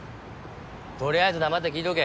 とりあえず黙って聞いとけ。